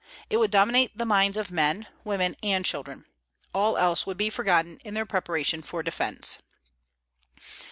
It would dominate the minds of men, women and children. All else would be forgotten in their preparation for defense.